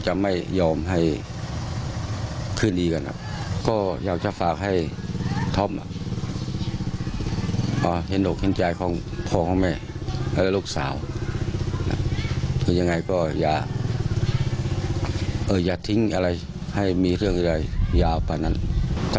ถ้าเค้ามาจ่ายจริงก็ไม่เอาครับ